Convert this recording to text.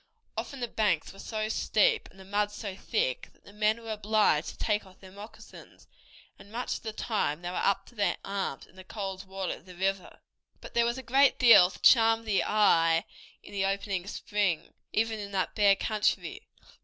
Often the banks were so steep and the mud so thick that the men were obliged to take off their moccasins, and much of the time they were up to their arms in the cold water of the river. But there was a great deal to charm the eye in the opening spring, even in that bare country.